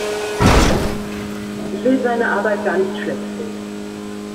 Ich will seine Arbeit gar nicht schlechtreden.